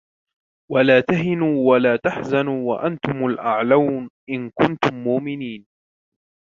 وَلَا تَهِنُوا وَلَا تَحْزَنُوا وَأَنْتُمُ الْأَعْلَوْنَ إِنْ كُنْتُمْ مُؤْمِنِينَ